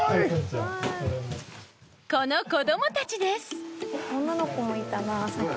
この子どもたちです